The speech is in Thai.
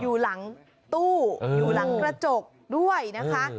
อยู่หลังตู้อยู่หลังกระจกด้วยนะคะ